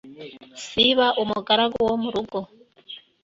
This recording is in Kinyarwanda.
Sibas umugaragu wo mu rugo